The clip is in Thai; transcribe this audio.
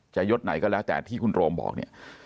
ยดไหนก็แล้วแต่ที่คุณโรมบอกเนี่ย